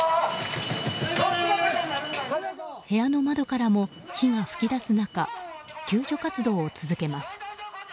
部屋の窓からも火が噴き出す中救助活動を続けます。